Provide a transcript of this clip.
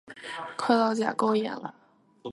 磕到甲沟炎了！